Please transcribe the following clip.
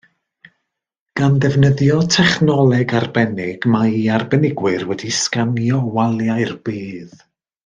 Gan ddefnyddio technoleg arbennig, mae arbenigwyr wedi sganio waliau'r bedd